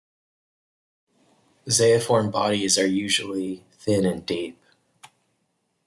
Zeiform bodies are usually thin and deep.